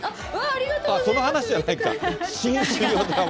その話じゃないか。